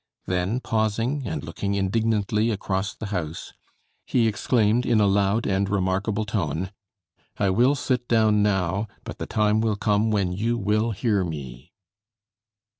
Then pausing, and looking indignantly across the house, he exclaimed in a loud and remarkable tone, "I will sit down now, but the time will come when you will hear me."